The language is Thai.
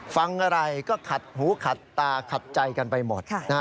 ฟังอะไรก็ขัดหูขัดตาขัดใจกันไปหมด